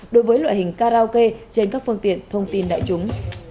đối với loại hình karaoke trên các phương tiện thông tin đại chúng